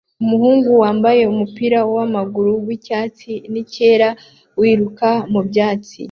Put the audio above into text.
Umuhungu wambaye umupira wamaguru wicyatsi nicyera wiruka mubyatsi